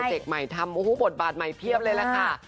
เจกต์ใหม่ทำโอ้โหบทบาทใหม่เพียบเลยล่ะค่ะ